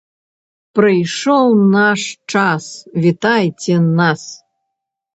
Прыйшоў наш час, вітайце нас!